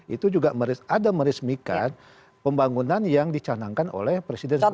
itu juga ada meresmikan pembangunan yang dicanangkan oleh presiden sebelumnya